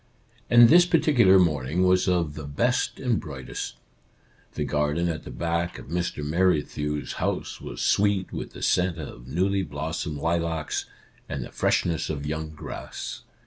And this particular morning was of the best and brightest. The garden at the back of Mr. Merrithew's house was sweet with the scent of newly blossomed lilacs, and the freshness of young grass.